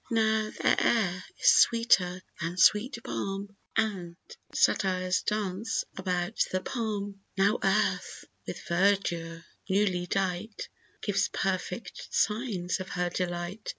Now th' air is sweeter than sweet balm, And satyrs dance about the palm; Now earth, with verdure newly dight, Gives perfect signs of her delight.